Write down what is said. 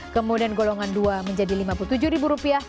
kemudian golongan dua menjadi rp lima puluh tujuh